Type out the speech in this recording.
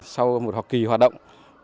sau một hoạt kỳ hoạt động